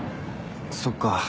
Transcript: そっか。